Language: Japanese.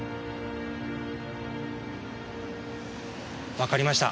わかりました。